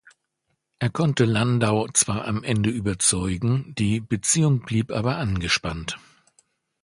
Er konnte Landau zwar am Ende überzeugen, die Beziehung blieb aber angespannt.